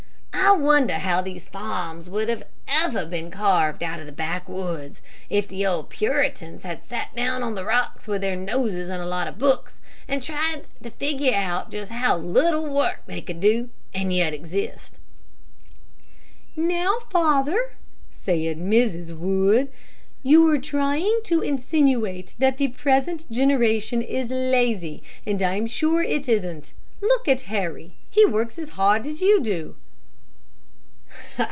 I wonder how these farms would ever have been carved out of the backwoods, if the old Puritans had sat down on the rocks with their noses in a lot of books, and tried to figure out just how little work they could do, and yet exist." "Now, father," said Mrs. Wood, "you are trying to insinuate that the present generation is lazy, and I'm sure it isn't. Look at Harry. He works as hard as you do."